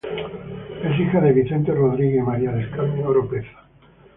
Es hija de Vicente Rodríguez y María del Carmen Oropeza.